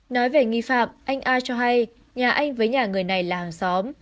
nói về nghi phạm anh a cho hay nhà anh với nhà người này là hàng xóm